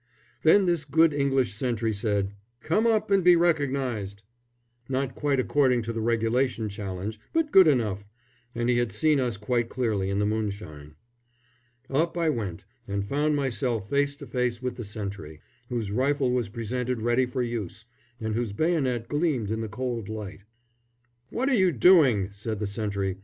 Then this good English sentry said, "Come up and be recognised!" not quite according to the regulation challenge, but good enough and he had seen us quite clearly in the moonshine. Up I went, and found myself face to face with the sentry, whose rifle was presented ready for use, and whose bayonet gleamed in the cold light. "What are you doing?" said the sentry.